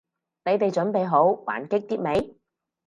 你哋準備好玩激啲未？